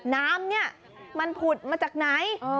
น้ำเนี่ยมันผุดมาจากไหน